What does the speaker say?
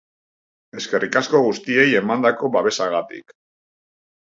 Eskerrik asko guztiei emandako babesagatik.